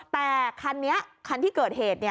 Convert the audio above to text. แต่คันนี้คันที่เกิดเหตุ